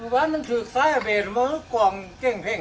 บ้านมันถึงซ้ายเวทมันกล่องเก่งเพ่ง